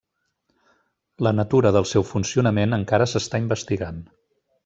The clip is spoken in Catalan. La natura del seu funcionament encara s'està investigant.